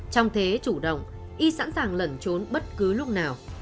trong thế chủ động y sẵn sàng lẩn trốn bất cứ lúc nào